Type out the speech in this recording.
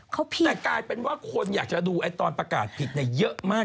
เขาผิดแต่กลายเป็นว่าคนอยากจะดูตอนประกาศผิดเนี่ยเยอะมาก